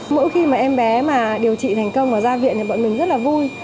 mỗi khi em bé điều trị thành công và ra viện thì bọn mình rất là vui